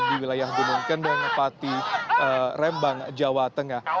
di wilayah gunung kendeng pati rembang jawa tengah